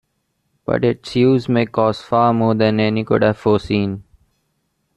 But its use may cost far more than any could have foreseen.